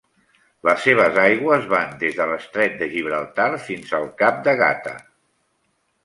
Les seves aigües van des de l'estret de Gibraltar fins al cap de Gata.